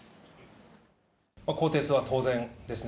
更迭は当然ですね。